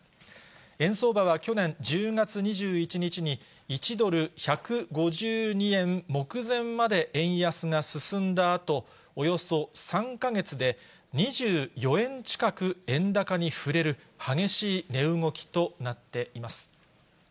円相場は去年１０月２１日に、１ドル１５２円目前まで円安が進んだあと、およそ３か月で、２４円近く円高に振れる激しい値動きとなっています。